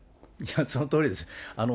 そのとおりです。